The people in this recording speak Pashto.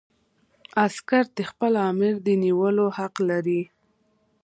عسکر د خپل آمر د نیولو حق لري.